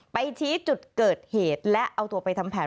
ไปชี้จุดเกิดเหตุและเอาตัวไปทำแผน